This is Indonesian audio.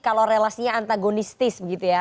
kalau relasinya antagonistis begitu ya